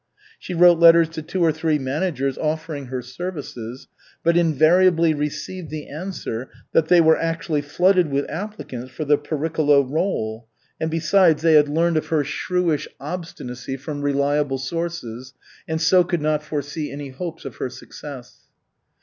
She wrote letters to two or three managers offering her services, but invariably received the answer that they were actually flooded with applicants for the Pericola rôle, and besides, they had learned of her shrewish obstinacy from reliable sources, and so could not foresee any hopes of her success.